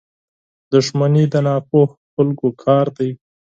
• دښمني د ناپوهو خلکو کار دی.